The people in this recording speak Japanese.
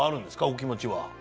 お気持ちは。